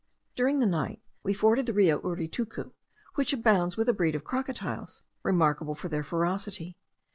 During the night we forded the Rio Uritucu, which abounds with a breed of crocodiles remarkable for their ferocity.